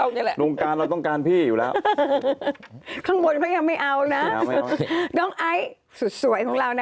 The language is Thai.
เอาแหละไอ๊มาคนอย่างพี่ไม่ตายง่าย